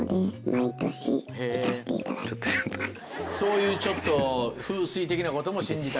そういうちょっと風水的なことも信じたりも。